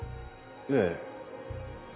ええ。